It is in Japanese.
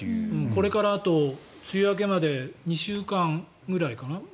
これからあと梅雨明けまで２週間ぐらいかな。